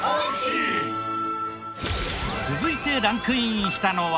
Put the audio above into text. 続いてランクインしたのは。